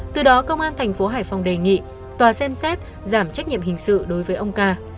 từ đó công an thành phố hải phòng đề nghị tòa xem xét giảm trách nhiệm hình sự đối với ông ca